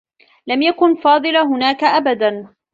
لم يكن فاضل هناك أبدا.